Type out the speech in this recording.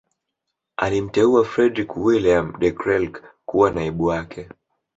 Alimteua Fredrick Willeum De Krelk kuwa naibu wake